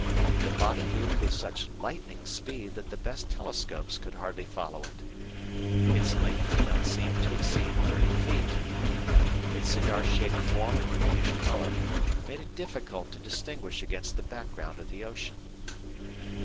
The body moved with such lightning speed that the best telescopes could hardly follow it. Its length did not seem to exceed thirty feet. Its cigar shaped form and greenish color, made it difficult to distinguish against the background of the ocean.